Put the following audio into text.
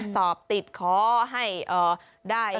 สอบติดขอให้ได้